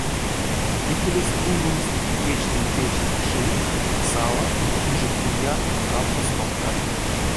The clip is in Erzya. Икелест ульнесть печтень печть кши, сала, пиже куяр, кавто стопкат.